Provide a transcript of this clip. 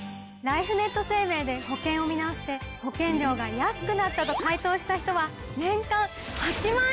ライフネット生命で保険を見直して保険料が安くなったと回答した人は。